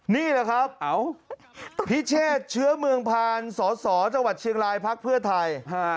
นี่เหรอครับพิเชษเชื้อเมืองผ่านสสจเชียงรายพไทย